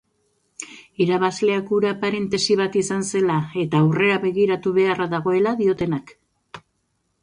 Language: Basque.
Irabazleak hura parentesi bat izan zela eta aurrera begiratu beharra dagoela diotenak.